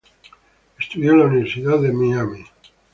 Estudió en la Universidad de Miami.